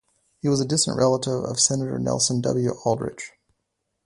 He was a distant relative of Senator Nelson W. Aldrich.